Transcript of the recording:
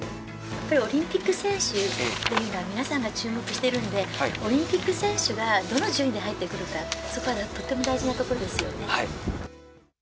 オリンピック選手って今皆さんが注目しているのでオリンピック選手がどの順位で入ってくるか、そこはとっても大事なところですよね。